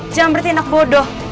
jangan bertindak bodoh